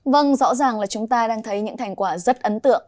vâng rõ ràng là chúng ta đang thấy những thành quả rất ấn tượng